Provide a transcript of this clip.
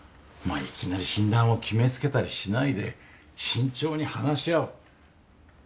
まあいきなり診断を決めつけたりしないで慎重に話し合う。